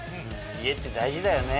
家って大事だよね